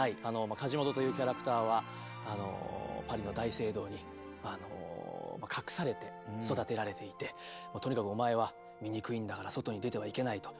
カジモドというキャラクターはパリの大聖堂に隠されて育てられていてとにかくお前は醜いんだから外に出てはいけないと。